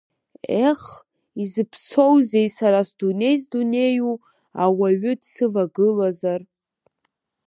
Ех, изыԥсоузеи са сдунеи здунеиу ауаҩы дсывагылазар!